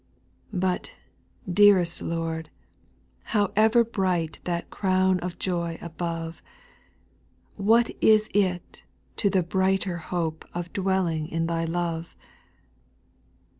5. But, dearest Lord, however bright That crown of joy above, What is it to the brighter hope Of dwelling in Thy love